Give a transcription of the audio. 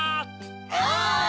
お！